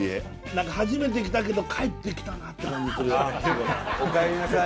何か初めてきたけど帰ってきたなって感じするお帰りなさい